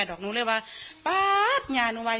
ปั๊บมันธาตุปั๊บร้ายได้เลย